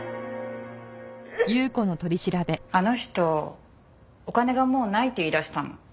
あの人お金がもうないって言いだしたの。